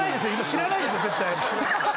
知らないですよ絶対。